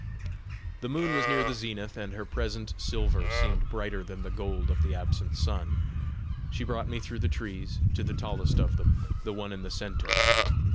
The moon was near the zenith, and her present silver seemed brighter than the gold of the absent sun. She brought me through the trees to the tallest of them, the one in the centre.